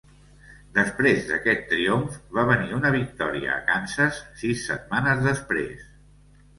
Després d'aquest triomf, va venir una victòria a Kansas sis setmanes després.